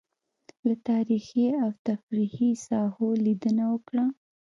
له تاريخي او تفريحي ساحو لېدنه وکړه.